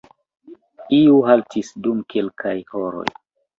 Iu haltis dum kelkaj horoj.